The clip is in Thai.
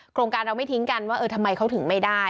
โครงการเราไม่ทิ้งกันว่าเออทำไมเขาถึงไม่ได้